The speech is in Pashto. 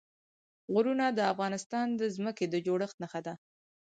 غرونه د افغانستان د ځمکې د جوړښت نښه ده.